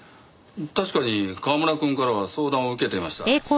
確かに川村くんからは相談を受けていました。